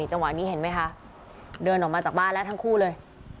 จังหวะนี้เห็นไหมคะเดินออกมาจากบ้านแล้วทั้งคู่เลย